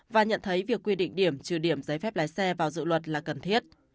và nhận thấy việc quy định điểm trừ điểm giấy phép lái xe vào dự luật là cần thiết